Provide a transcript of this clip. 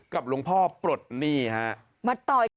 กับหลวงพ่อปลดหนี้ฮะมาต่อ